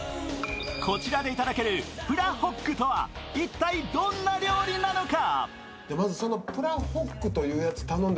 こちらでいただけるプラホックとは一体どんな料理なのか。